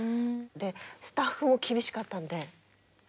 でスタッフも厳しかったんで。